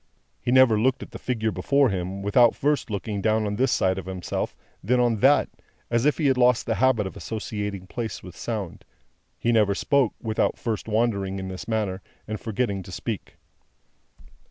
He never looked at the figure before him, without first looking down on this side of himself, then on that, as if he had lost the habit of associating place with sound; he never spoke, without first wandering in this manner, and forgetting to speak.